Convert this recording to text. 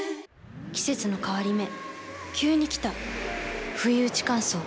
季節の変わり目急に来たふいうち乾燥。